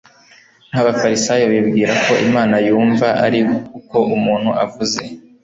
nk Abafarisayo Bibwira ko Imana yumva ari uko umuntu avuze